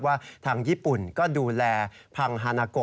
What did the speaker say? ว่าทางญี่ปุ่นก็ดูแลพังฮานาโก